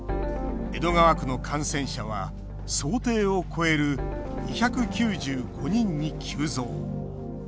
江戸川区の感染者は想定を超える２９５人に急増。